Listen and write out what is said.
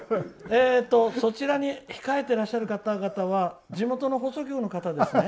えーっとそちらに控えていらっしゃる方々は地元の放送局の方ですね。